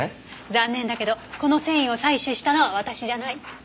残念だけどこの繊維を採取したのは私じゃない。